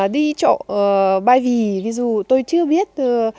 đi chỗ ba vì ví dụ tôi chưa biết